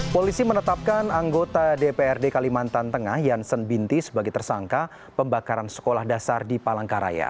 polisi menetapkan anggota dprd kalimantan tengah jansen binti sebagai tersangka pembakaran sekolah dasar di palangkaraya